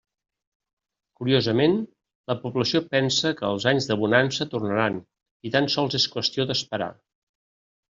Curiosament, la població pensa que els anys de bonança tornaran i tan sols és qüestió d'esperar.